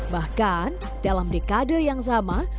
bahkan dalam dekade yang sama